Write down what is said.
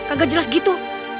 kagak jelas gitu